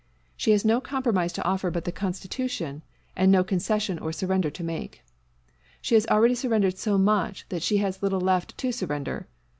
She has no compromise to offer but the Constitution; and no concession or surrender to make. She has already surrendered so much that she has little left to surrender.